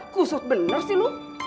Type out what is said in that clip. kusut bener sih lo